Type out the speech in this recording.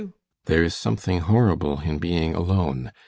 There is something horrible in being alone.